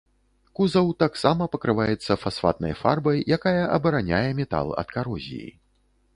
Кузаў таксама пакрываецца фасфатнай фарбай, якая абараняе метал ад карозіі.